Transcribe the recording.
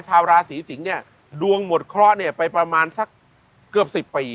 ชาวราชศรีสิงห์ดวงหมดเคราะห์ไปประมาณสักเกือบ๑๐ปี